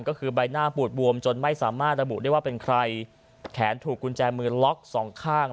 ก็คือใบหน้าปูดบวมจนไม่สามารถระบุได้ว่าเป็นใครแขนถูกกุญแจมือล็อกสองข้าง